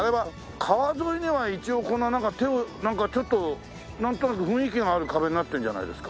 川沿いには一応このなんか手をなんかちょっとなんとなく雰囲気がある壁になってるじゃないですか。